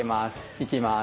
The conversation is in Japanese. いきます。